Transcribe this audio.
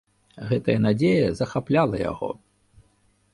Гэтая надзея захапляла яго.